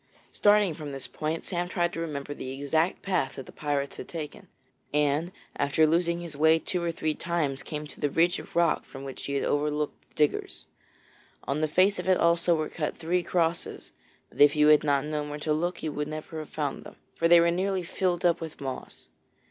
Starting from this point, Sam tried to remember the exact path that the pirates had taken, and after losing his way two or three times came to the ridge of rock from which he had overlooked the diggers. On the face of it also were cut three crosses, but if you had not known where to look you would never have found them, for they were nearly filled up with moss.